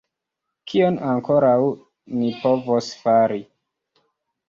Kion ankoraŭ ni povos fari?